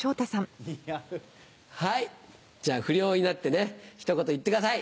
はいじゃあ不良になってねひと言言ってください。